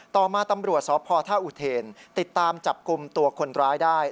ต่อมาตำรวจสพท่าอุเทนติดตามจับกลุ่มตัวคนร้ายได้